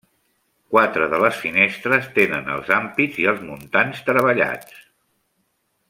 Quatre de les finestres tenen els ampits i els muntants treballats.